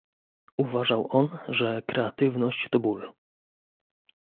uważał on, że kreatywność to ból